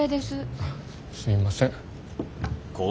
すいません。